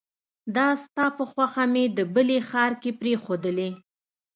دا ستا په خوښه مې د بلې ښار کې پريښودلې